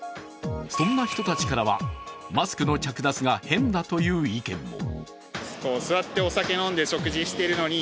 そんな人たちからはマスクの着脱が変だという意見も。